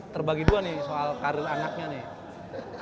terbagi dua nih soal karir anaknya nih